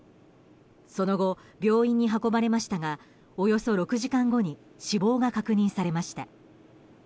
その後、病院に運ばれましたがおよそ６時間後に死亡が確認されました。